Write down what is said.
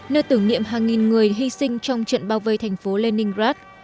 nơi tưởng niệm hàng nghìn người hy sinh trong trận bao vây thành phố leningrad